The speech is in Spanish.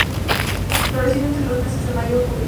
Floración entre los meses de mayo a julio.